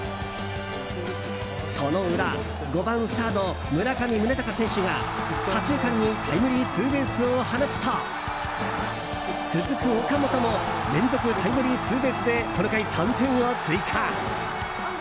その裏５番サード、村上宗隆選手が左中間にタイムリーツーベースを放つと続く岡本も連続タイムリーツーベースでこの回、３点を追加。